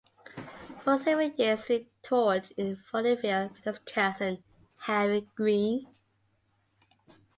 For several years, Reed toured in vaudeville with his cousin, Harry Green.